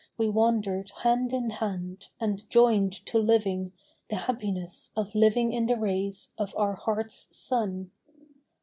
1 25 We wandered hand in hand, and joined to living The happiness of living in the rays Of our hearts' sun.